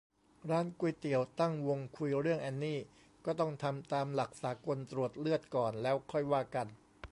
ร้านก๋วยเตี๋ยวตั้งวงคุยเรื่องแอนนี่ "ก็ต้องทำตามหลักสากล ตรวจเลือดก่อน แล้วค่อยว่ากัน"